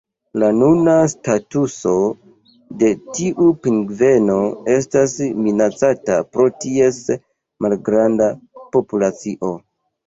La nuna statuso de tiu pingveno estas minacata pro ties malgranda populacio.